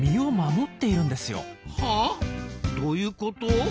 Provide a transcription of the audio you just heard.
どういうこと？